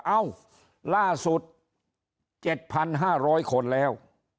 เอ้าล่าสุด๗๕๐๐คนแล้ว